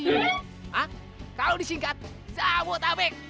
hah kalau disingkat zabu otabek